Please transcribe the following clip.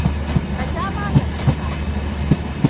Ka sha maganin ka.